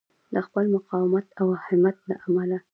د خپل مقاومت او همت له امله.